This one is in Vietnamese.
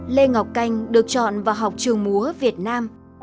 lê ngọc canh được chọn vào học trường múa việt nam